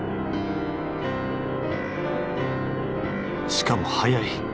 しかも速い。